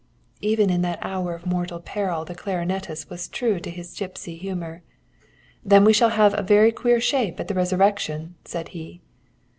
"Even in that hour of mortal peril the clarinetist was true to his gipsy humour. 'Then we shall have a very queer shape at the resurrection,' said he.